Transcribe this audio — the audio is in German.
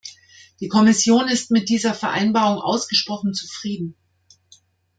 Die Kommission ist mit dieser Vereinbarung ausgesprochen zufrieden.